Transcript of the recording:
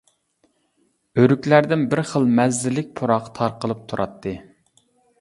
ئۆرۈكلەردىن بىر خىل مەززىلىك پۇراق تارقىلىپ تۇراتتى.